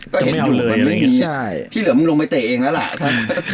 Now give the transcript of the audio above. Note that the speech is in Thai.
ก็เห็นอยู่ว่ามันไม่มีที่เหลือมึงลงไปเตะเองแล้วล่ะ